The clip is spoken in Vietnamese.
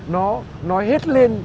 nó nói hết lên